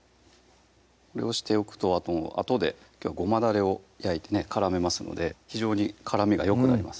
これをしておくとあとできょうはごまだれを焼いてね絡めますので非常に絡みがよくなります